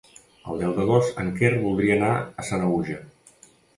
El deu d'agost en Quer voldria anar a Sanaüja.